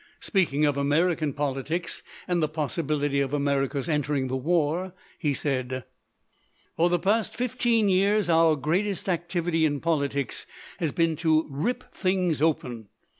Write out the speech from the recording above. Speaking of American politics and the possibility of America's entering the war, he said: "For the past fifteen years our greatest activity in politics has been to rip things open.